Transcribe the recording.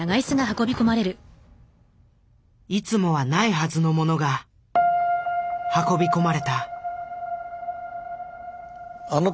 いつもはないはずのものが運び込まれた。